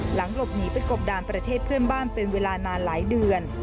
หลังหลบหนีไปกบดานประเทศเพื่อนบ้านเป็นเวลานานหลายเดือน